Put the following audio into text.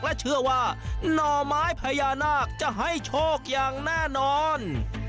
และเชื่อว่าหน่อไม้พญานาคจะให้โชคอย่างแน่นอน